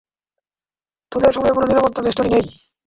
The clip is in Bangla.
তোদের সময়ে কোনো নিরাপত্তা বেষ্টনী নেই?